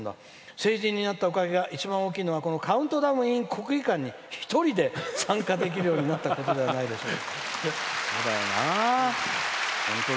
「成人になったおかげでこの「カウントダウンｉｎ国技館」に一人で参加できるようになったことではないでしょうか」。